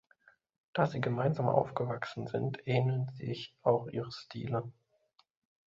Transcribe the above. Da sie gemeinsam aufgewachsen sind, ähneln sich auch ihre Stile.